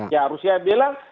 ya rusia bilang